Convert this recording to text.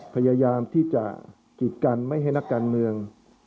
พยายามที่จะกิดกันไม่ให้นักการเมือง